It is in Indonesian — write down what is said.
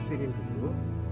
nanti saya turun ke sana